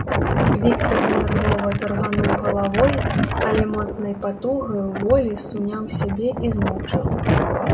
Віктар нервова таргануў галавой, але моцнай патугаю волі суняў сябе і змоўчаў.